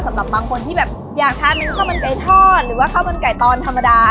สำหรับบางคนที่แบบอยากทานเป็นข้าวมันไก่ทอดหรือว่าข้าวมันไก่ตอนธรรมดา